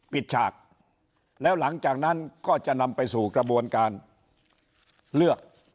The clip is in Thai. ฉากแล้วหลังจากนั้นก็จะนำไปสู่กระบวนการเลือก